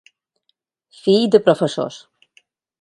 Fill de professors.